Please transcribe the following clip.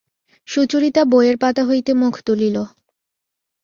সুচরিতা বইয়ের পাতা হইতে মুখ তুলিল।